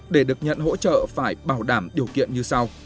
để được nhận hỗ trợ phải bảo đảm điều kiện như sau